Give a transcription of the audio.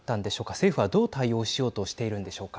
政府は、どう対応しようとしているんでしょうか。